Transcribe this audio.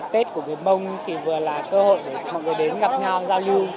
tết của người mông thì vừa là cơ hội để mọi người đến gặp nhau giao lưu